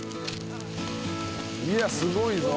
いやすごいぞ。